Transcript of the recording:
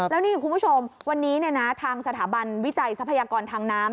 แล้วนี่คุณผู้ชมวันนี้ทางสถาบันวิจัยทรัพยากรทางน้ำ